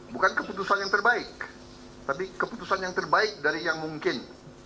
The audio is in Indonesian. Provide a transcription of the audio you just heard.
bukan keputusan yang terbaik tapi keputusan yang terbaik dari yang mungkin